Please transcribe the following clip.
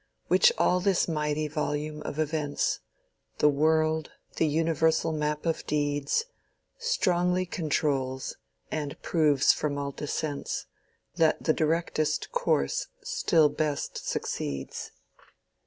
Which all this mighty volume of events The world, the universal map of deeds, Strongly controls, and proves from all descents, That the directest course still best succeeds.